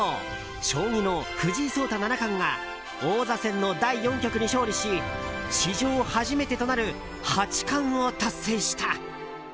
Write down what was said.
将棋の藤井聡太七冠が王座戦の第４局に勝利し史上初めてとなる八冠を達成した。